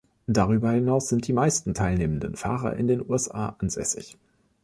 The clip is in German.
Darüber hinaus sind die meisten teilnehmenden Fahrer in den USA ansässig.